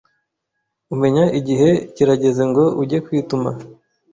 umenya igihe kirageze ngo ujye kwituma